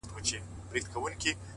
علم د فکرونو نړۍ روښانه کوي،